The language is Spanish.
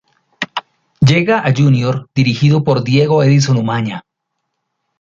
Llega a Junior dirigido por Diego Edison Umaña.